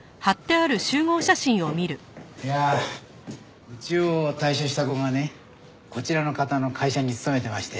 いやあうちを退所した子がねこちらの方の会社に勤めてまして。